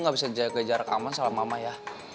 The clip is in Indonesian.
gak bisa kejar keamanan salah mama ya